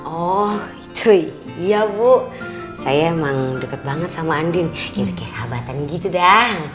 oh itu iya bu saya emang deket banget sama andin yang kayak sahabatan gitu dah